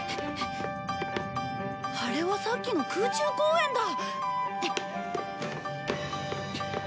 あれはさっきの空中公園だ！